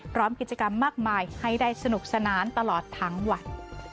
พร้อมกิจกรรมมากมายให้ได้สนุกสนานตลอดทั้งวัน